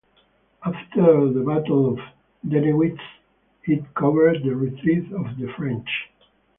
After the Battle of Dennewitz it covered the retreat of the French.